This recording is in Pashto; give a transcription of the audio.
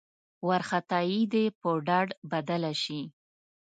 وارخطايي دې په ډاډ بدله شي.